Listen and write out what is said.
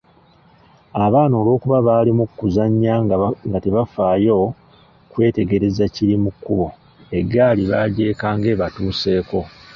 Abaana olw'okuba baali mu kuzannya nga tebafaayo kwetegereza kiri mu kkubo eggaali bagyekanga ebatuseeko.